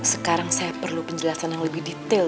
sekarang saya perlu penjelasan yang lebih detail